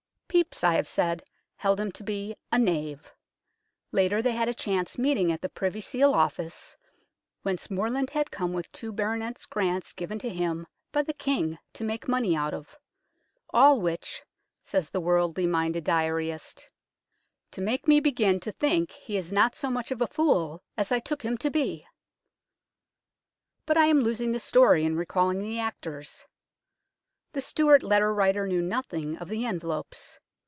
Pepys, I have said, held him to be " a knave "; later, they had a chance meeting at the Privy Seal office, whence Morland had come with two baronets' grants given to him by the King to make money out of, " all which," says the worldly minded diarist, " do make me begin to think he is not so much of a fool as I took him to be." But I am losing the story in recalling the actors. The Stuart letter writer knew nothing of en velopes.